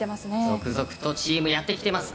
続々とチームやってきてます。